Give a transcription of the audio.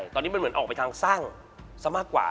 ตอนนี้มันเหมือนออกไปทางสร้างซะมากกว่า